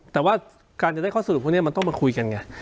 แต่ว่าการจะได้ข้อสรุปพวกนี้มันต้องมาคุยกันไง